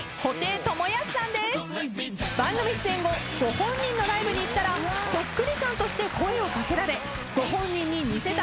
番組出演後ご本人のライブに行ったらそっくりさんとして声を掛けられご本人に似せたサインまで書いたそうです。